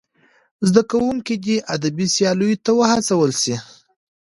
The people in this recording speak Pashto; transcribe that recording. زدهکوونکي دې ادبي سیالیو ته وهڅول سي.